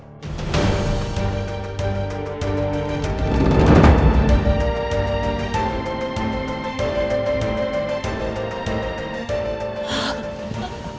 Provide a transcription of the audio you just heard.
bapak tidak mau berbicara dengan elsa